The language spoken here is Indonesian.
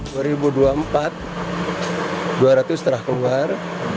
dua ribu dua puluh empat dua ratus set telah keluar